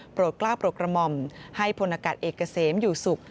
โปรดกล้าวโปรดกระหม่อมให้พลังกัดเอกกระเซมอยู่ศุกร์